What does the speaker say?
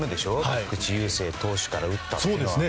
菊池雄星投手から打ったのは。